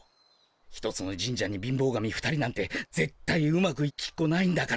１つの神社に貧乏神２人なんてぜっ対うまくいきっこないんだから。